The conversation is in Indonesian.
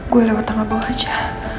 gue lewat tanggal bawah aja